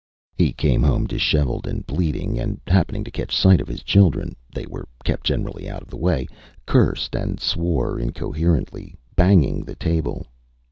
He came home dishevelled and bleeding, and happening to catch sight of his children (they were kept generally out of the way), cursed and swore incoherently, banging the table.